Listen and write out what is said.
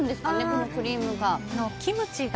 このクリームが。